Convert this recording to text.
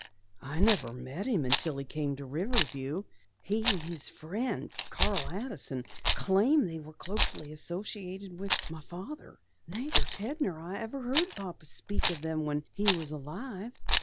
"I never met him until he came to Riverview. He and his friend, Carl Addison, claim they were closely associated with my father. Neither Ted nor I ever heard Papa speak of them when he was alive."